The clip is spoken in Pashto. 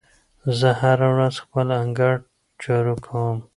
زه هره ورځ خپل انګړ جارو کوم.